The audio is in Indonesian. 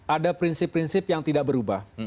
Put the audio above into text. ada prinsip prinsip yang tidak berubah